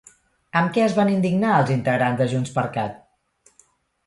Amb què es van indignar els integrants de JxCat?